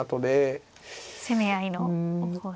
攻め合いの方針。